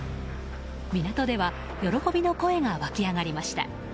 港では喜びの声が湧き上がりました。